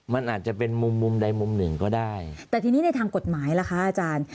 มันอาจจะเป็นมุมมุมใดมุมหนึ่งก็ได้แต่ทีนี้ในทางกฎหมายล่ะคะอาจารย์